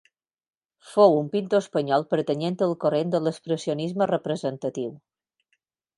Fou un pintor espanyol pertanyent al corrent de l'expressionisme representatiu.